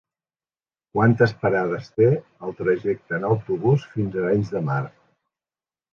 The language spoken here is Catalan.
Quantes parades té el trajecte en autobús fins a Arenys de Mar?